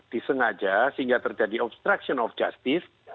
disengaja sehingga terjadi obstruction of justice